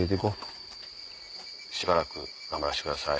しばらく頑張らしてください。